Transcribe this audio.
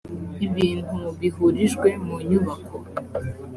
ibintu bihurijwe mu nyubako